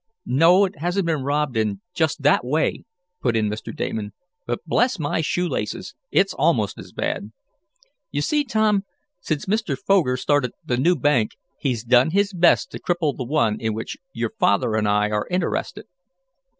"No, it hasn't been robbed in just that way," put in Mr. Damon. "But, bless my shoe laces, it's almost as bad! You see, Tom, since Mr. Foger started the new bank he's done his best to cripple the one in which your father and I are interested.